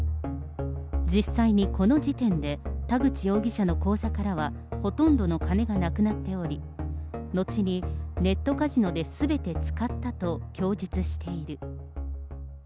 実際にこの時点で、田口容疑者の口座からは、ほとんどの金がなくなっており、後にネットカジノですべて使ったと供述している。